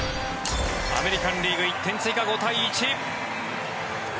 アメリカン・リーグ１点追加５対１。